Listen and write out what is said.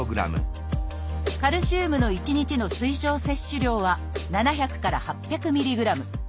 カルシウムの１日の推奨摂取量は７００から８００ミリグラム。